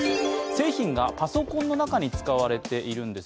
製品がパソコンの中に使われているんです。